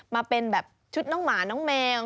มาเป็นแบบชุดน้องหมาน้องแมว